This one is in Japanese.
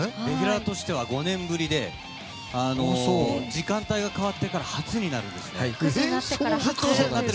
レギュラーとしては５年ぶりで時間帯が変わってから初になるんですね。